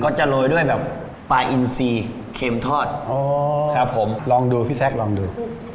จะโรยด้วยแบบปลาอินซีเค็มทอดครับผมลองดูพี่แซคลองดู